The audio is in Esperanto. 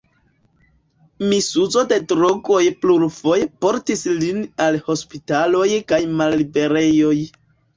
Misuzo de drogoj plurfoje portis lin al hospitaloj kaj malliberejoj.